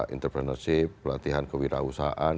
entrepreneurship pelatihan kewirausahaan